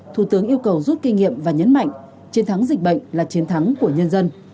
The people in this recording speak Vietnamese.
thủ tướng yêu cầu rút kinh nghiệm và nhấn mạnh chiến thắng dịch bệnh là chiến thắng của nhân dân